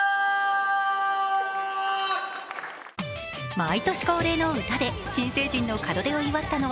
毎年恒例の歌で新成人の門出を祝ったのは